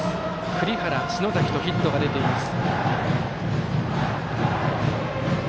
栗原、篠崎とヒットが出ています。